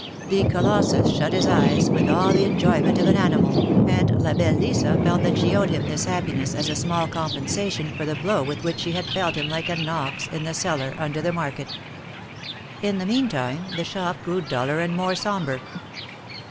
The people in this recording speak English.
The colossus shut his eyes, with all the enjoyment of an animal, and La belle Lisa felt that she owed him this happiness as a small compensation for the blow with which she had felled him like an ox, in the cellar under the market. In the meantime, the shop grew duller and more sombre.